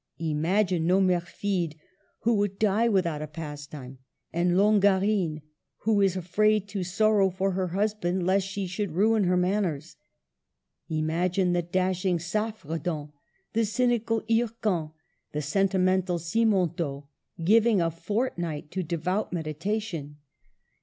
Imagine Nomerfide, who would die without a pastime, and Longarine, who is afraid to sorrow for her husband lest she should ruin her manners ; imagine the dashing Saffredant, the cynical Hircan, the sentimental Simontault, giving a fortnight to devout medi tation